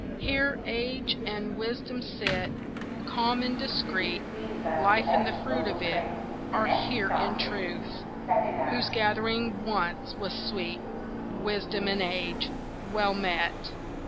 Here age and wisdom sit Calm and discreet, Life and the fruit of it Are here in truth, Whose gathering once was sweet Wisdom and age! Well met!